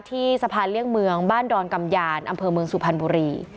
ที่สะพานเลี่ยงเมืองบ้านดอนกำยานอำเภอเมืองสุพรรณบุรี